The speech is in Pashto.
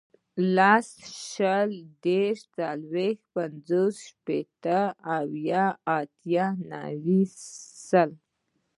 لس, شل, دېرس, څلوېښت, پنځوس, شپېته, اویا, اتیا, نوي, سل